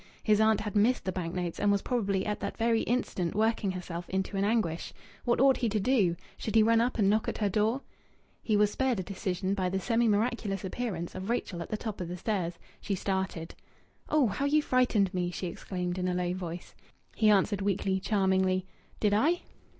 His aunt had missed the bank notes and was probably at that very instant working herself into an anguish. What ought he to do? Should he run up and knock at her door? He was spared a decision by the semi miraculous appearance of Rachel at the top of the stairs. She started. "Oh! How you frightened me!" she exclaimed in a low voice. He answered weakly, charmingly "Did I?"